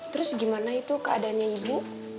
terus gimana itu keadaannya ibu